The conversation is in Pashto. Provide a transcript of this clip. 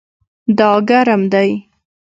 دا ګرم دی